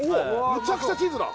むちゃくちゃチーズだ！